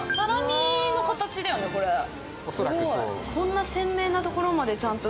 すごい。